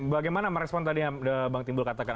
bagaimana sama respon tadi yang bang timbul katakan